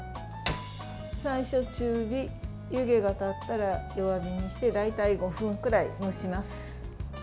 最初、中火湯気が立ったら弱火にして大体５分くらい蒸します。